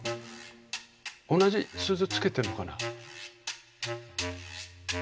同じ鈴つけてるのかな。